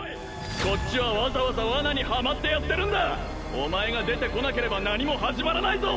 こっちはわざわざワナにはまってやってるんだお前が出てこなければ何も始まらないぞ！